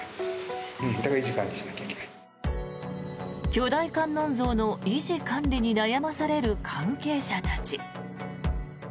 巨大観音像の維持管理に悩まされる関係者たち。